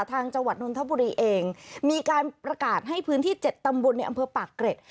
จังหวัดนทบุรีเองมีการประกาศให้พื้นที่๗ตำบลในอำเภอปากเกร็ด